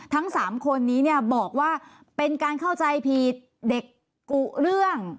ทั้ง๓คนนี้เนี่ยบอกว่าเป็นการเข้าใจผิดเด็กกุเรื่อง